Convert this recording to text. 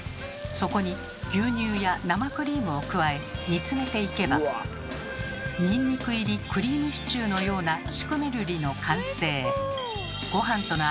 そこに牛乳や生クリームを加え煮詰めていけばニンニク入りクリームシチューのようなシュクメルリの完成。